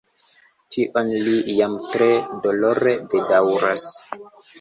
Tion li jam tre dolore bedaŭras.